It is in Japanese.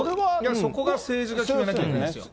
そこが政治で決めなきゃいけないんですよ。